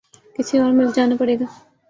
کسی اور ملک جانا پڑے گا